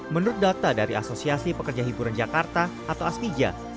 menurut data dari asosiasi pekerja hiburan jakarta atau aspija